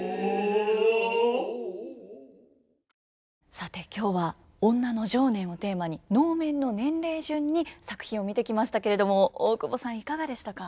さて今日は女の情念をテーマに能面の年齢順に作品を見てきましたけれども大久保さんいかがでしたか？